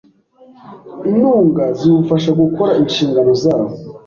intunga ziwufasha gukora inshingano zawo